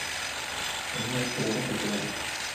উনি ওই খেলাটা খেলতে পারেন।